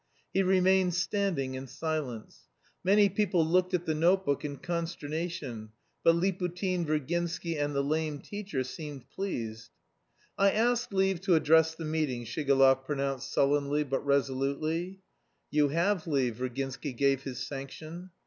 He remained standing in silence. Many people looked at the notebook in consternation, but Liputin, Virginsky, and the lame teacher seemed pleased. "I ask leave to address the meeting," Shigalov pronounced sullenly but resolutely. "You have leave." Virginsky gave his sanction.